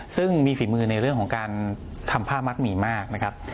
ซึ่งมีฝีมือในเรื่องของการทำผ้ามัดหมี่มากนะครับ